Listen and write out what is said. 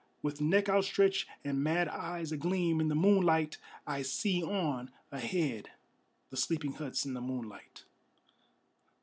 With neck outstretched and mad eyes agleam in the moonlight, I see on ahead the sleeping huts in the moonlight.